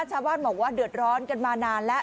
ชาวบ้านบอกว่าเดือดร้อนกันมานานแล้ว